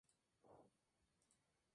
La propulsión de dos etapas es notable.